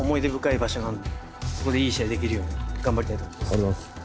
ありがとうございます。